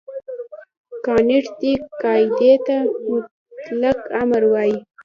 کانټ دې قاعدې ته مطلق امر وايي.